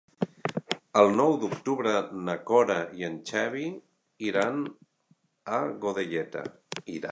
El nou d'octubre na Cora i en Xavi iran a Godelleta.